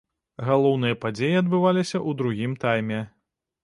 Галоўныя падзеі адбываліся ў другім тайме.